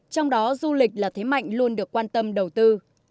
trong đó du lịch là thế mạnh luôn được quan tâm đầu tư